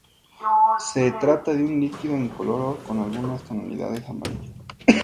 Se trata de un líquido incoloro con algunas tonalidades amarillas.